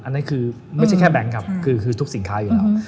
นั่นคือไม่ใช่แค่แบงค์ครับคือทุกสินค้าอยู่แล้ว